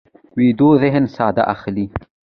ویده ذهن ساه اخلي